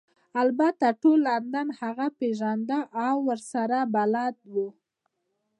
البته ټول لندن هغه پیژنده او ورسره بلد وو